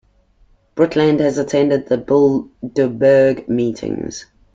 Brundtland has attended the Bilderberg meetings.